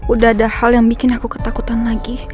udah ada hal yang bikin aku ketakutan lagi